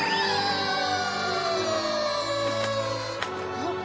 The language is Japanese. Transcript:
あっ！